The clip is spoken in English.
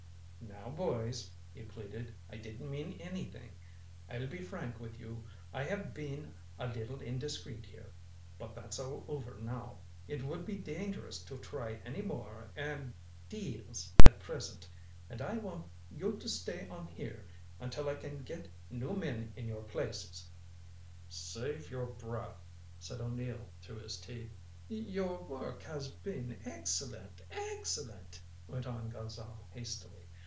"Now, boys," he pleaded, "I didn't mean anything. I'll be frank with you I have been a little indiscreet here. But that's all over now. It would be dangerous to try any more er deals at present. And I want you to stay on here until I can get new men in your places." "Save your breath," said O'Neill through his teeth. "Your work has been excellent excellent," went on Gonzale hastily.